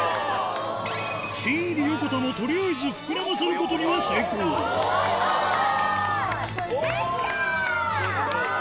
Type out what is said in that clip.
新入り横田も取りあえず膨らませることには成功うまいうまい！